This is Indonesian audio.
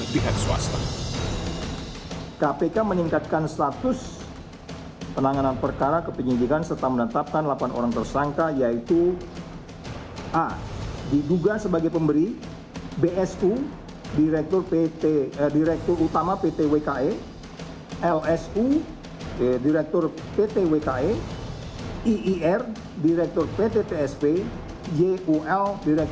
ketua kpk soed siddemora mengatakan atas hasil pemeriksaan yang dilakukan selama satu x dua puluh empat jam